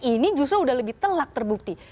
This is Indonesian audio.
ini justru sudah lebih telak terbukti